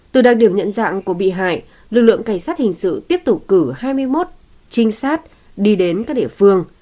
từ đặc điểm nhận dạng của bị hại lực lượng cảnh sát hình sự tiếp tục cử hai mươi một trinh sát đi đến các địa phương